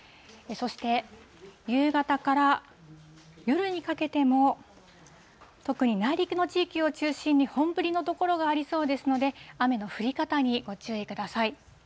そして、夕方から夜にかけても、特に内陸の地域を中心に、本降りの所がありそうですので、雨の降り方にご注意ください。